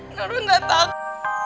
naura tidak takut